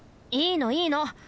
いいのいいの！